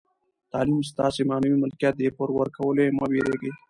تعلیم ستاسي معنوي ملکیت دئ، پر ورکولو ئې مه بېرېږئ!